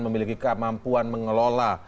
memiliki kemampuan mengelola